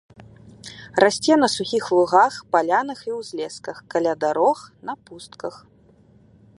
Расце на сухіх лугах, палянах і ўзлесках, каля дарог, на пустках.